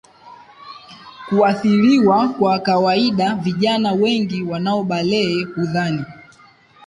kuathiriwa Kwa kawaida vijana wengi wanaobalehe hudhani